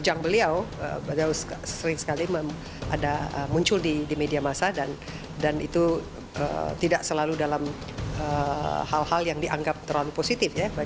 ujang beliau beliau sering sekali muncul di media masa dan itu tidak selalu dalam hal hal yang dianggap terlalu positif ya